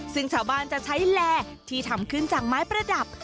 ซึ่งชาวบ้านจะใช้แลที่ทำขึ้นจากไม้ประดับ